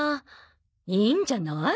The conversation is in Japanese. いいんじゃない。